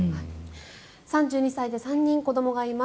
３２歳で３人子どもがいます。